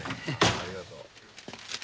ありがとう。